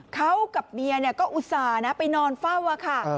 เขากับเมียก็อุตส่าห์นะไปนอนเฝ้าค่ะ